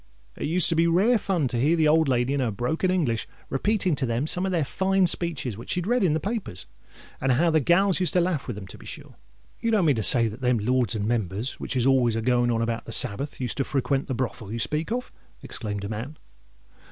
It used to be rare fun to hear the old lady, in her broken English, repeating to them some of their fine speeches, which she'd read in the newspapers; and how the gals used to laugh with them, to be sure!" "You don't mean to say that them Lords and Members, which is always a going on about the Sabbath, used to frequent the brothel you speak of?" exclaimed a man.